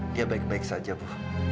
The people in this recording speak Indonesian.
dia baik baik saja bu